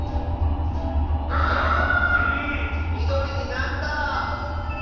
ああっ⁉みどりになった！